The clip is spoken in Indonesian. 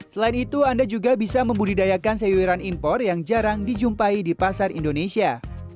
selain itu anda juga bisa membudidayakan sayuran impor yang jarang dijumpai di pasar indonesia